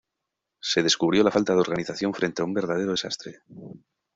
Se descubrió la falta de organización frente a un verdadero desastre.